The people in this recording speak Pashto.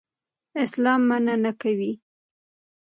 اسلام منع نه کوي.